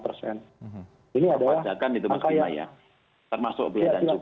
perpajakan itu mas bima ya termasuk belia dan cukup